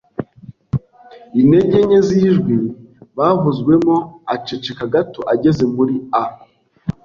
intege nke z'ijwi bavuzwemo. Aceceka gato ageze muri a